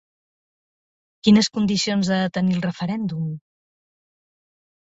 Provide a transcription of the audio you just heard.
Quines condicions ha de tenir el referèndum?